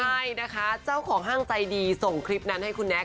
ใช่นะคะเจ้าของห้างใจดีส่งคลิปนั้นให้คุณแน็ก